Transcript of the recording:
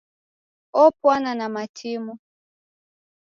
Opwana na matimo.